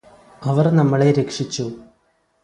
അവര് നമ്മളെ രക്ഷിച്ചു